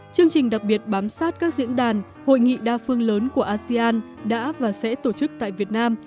chương trình đặc biệt bám sát các diễn đàn hội nghị đa phương lớn của asean đã và sẽ tổ chức tại việt nam